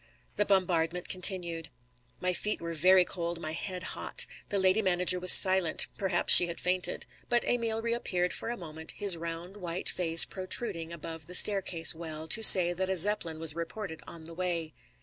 The bombardment continued. My feet were very cold, my head hot. The lady manager was silent; perhaps she had fainted. But Emil reappeared for a moment, his round white face protruding above the staircase well, to say that a Zeppelin was reported on the way.